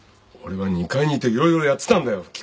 俺は２階にいて色々やってたんだよ。